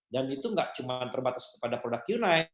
dan itu nggak cuma terbatas kepada produk q sembilan